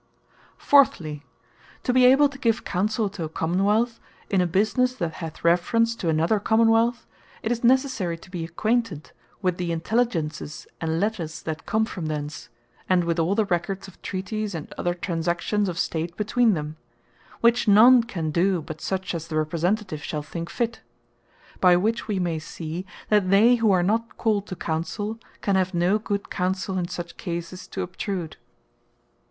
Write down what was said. Fourthly, to be able to give Counsell to a Common wealth, in a businesse that hath reference to another Common wealth, It Is Necessary To Be Acquainted With The Intelligences, And Letters That Come From Thence, And With All The Records Of Treaties, And Other Transactions Of State Between Them; which none can doe, but such as the Representative shall think fit. By which we may see, that they who are not called to Counsell, can have no good Counsell in such cases to obtrude.